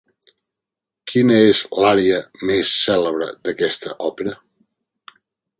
Quina és l'ària més celebre d'aquesta òpera?